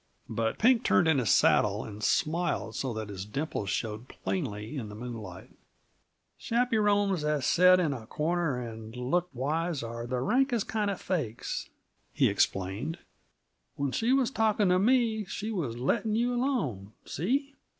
But Pink turned in his saddle and smiled so that his dimples showed plainly in the moonlight. "Chappyrones that set in a corner and look wise are the rankest kind uh fakes," he explained. "When she was talking to me, she was letting you alone see?"